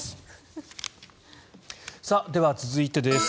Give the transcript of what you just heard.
では、続いてです。